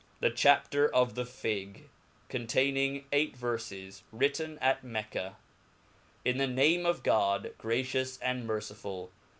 '^^\ The Chapter of the Tigged containing eight Verfes, written at Mecca. IN ttic name of Godj gracious and merciful.